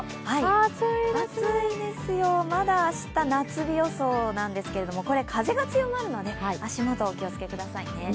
暑いですよ、まだ明日、夏日予想なんですけどこれ、風が強まるので、足元、お気をつけくださいね。